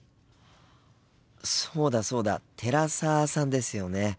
そうだそうだ寺澤さんですよね。